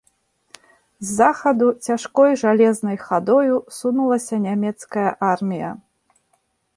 З захаду цяжкой жалезнай хадою сунулася нямецкая армія.